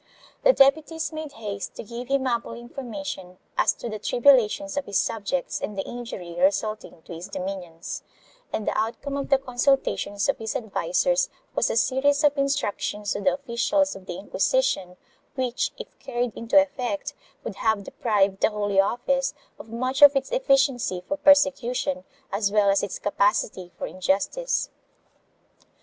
The deputies made haste to give him ample informa tion as to the tribulations of his subjects and the injury resulting to his dominions, and the outcome of the consultations of his advisers was a series of instructions to the officials of the Inquisi tion which, if carried into effect, would have deprived the Holy Office of much of its efficiency for persecution as well as of its capacity for injustice.